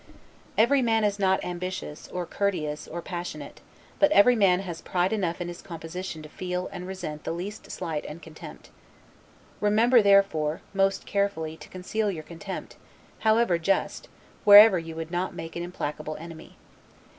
Every man is not ambitious, or courteous, or passionate; but every man has pride enough in his composition to feel and resent the least slight and contempt. Remember, therefore, most carefully to conceal your contempt, however just, wherever you would not make an implacable enemy.